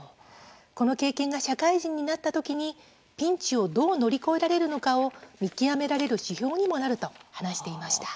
この経験が社会人になった時にピンチをどう乗り越えられるのかを見極められる指標にもなると話していました。